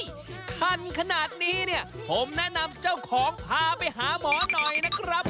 ท่านขนาดนี้เนี่ยผมแนะนำเจ้าของพาไปหาหมอหน่อยนะครับ